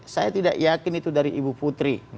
saya tidak yakin itu dari ibu putri